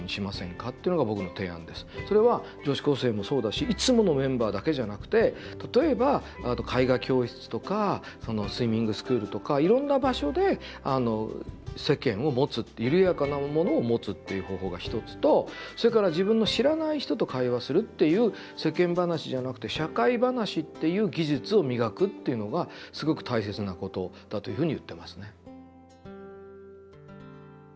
それは女子高生もそうだしいつものメンバーだけじゃなくて例えば絵画教室とかスイミングスクールとかいろんな場所で世間を持つ緩やかなものを持つっていう方法が一つとそれから自分の知らない人と会話するっていう「世間話」じゃなくて「社会話」っていう技術を磨くっていうのがすごく大切なことだというふうに言ってますね。